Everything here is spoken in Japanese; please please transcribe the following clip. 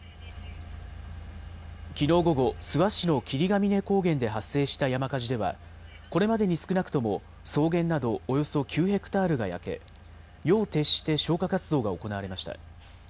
きのう午後、諏訪市の霧ヶ峰高原で発生した山火事では、これまでに少なくとも草原などおよそ９ヘクタールが焼け、夜を徹して消火活動が行われました。